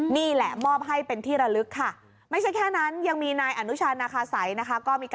นี่แหละมอบให้เป็นทีระลึกครับไม่ใช่แค่นั้นยังมีนายอานุชาณาคาไส